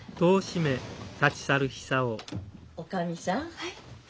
はい？